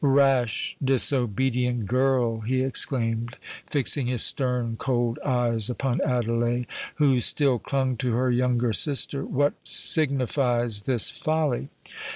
"Rash—disobedient girl," he exclaimed, fixing his stern cold eyes upon Adelais, who still clung to her younger sister, "what signifies this folly?"